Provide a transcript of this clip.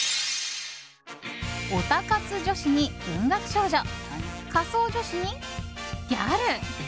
オタ活女子に、文学少女仮装女子に、ギャル！